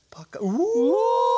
うわ！